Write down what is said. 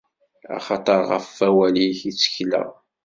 Axaṭer ɣef wawal-ik i ttekleɣ.